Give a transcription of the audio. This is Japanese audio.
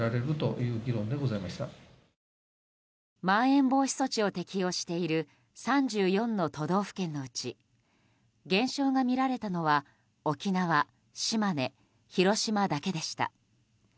まん延防止措置を適用している３４の都道府県のうち減少が見られたのは沖縄、島根、広島だけでした。